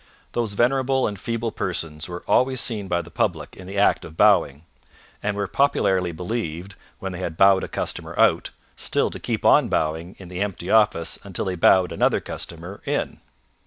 Those venerable and feeble persons were always seen by the public in the act of bowing, and were popularly believed, when they had bowed a customer out, still to keep on bowing in the empty office until they bowed another customer in.